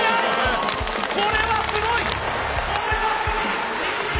これはすごい！